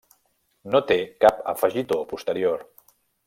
No té cap afegitó posterior.